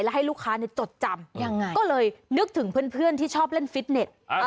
ให้ลูกค้าจดจำยังไงก็เลยนึกถึงเพื่อนที่ชอบเล่นฟิตเน็ต